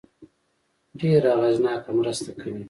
ډېره اغېزناکه مرسته کوي.